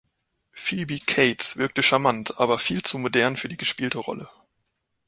Phoebe Cates wirke charmant, aber „viel zu modern“ für die gespielte Rolle.